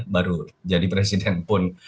baru jadi presiden pun